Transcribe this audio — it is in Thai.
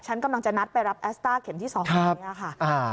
ฉันกำลังจะนัดไปรับแอซต้าเข็มที่ส่อระฮักนะคะ